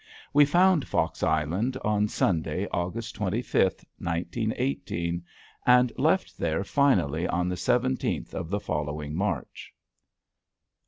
We found Fox Island on Sunday, August twenty fifth, 1918, and left there finally on the seventeenth of the following March.